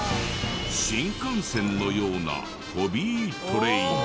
新幹線のようなホビートレイン。